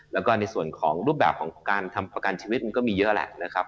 แล้วก็ในส่วนของรูปแบบของการทำประกันชีวิตมันก็มีเยอะแหละนะครับ